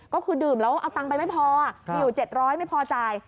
ก็คือดื่มแล้วเอาตังค์ไปไม่พอมีอยู่๗๐๐ไม่พอจ่าย